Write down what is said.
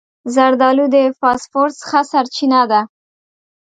زردالو د فاسفورس ښه سرچینه ده.